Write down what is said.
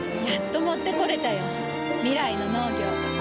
やっと持ってこれたよ。未来の農業。